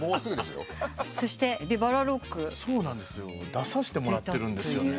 出させてもらってるんですよね。